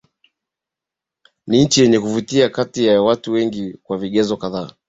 Ni nchi yenye kuvutia watu wengi kwa vigezo kadhaa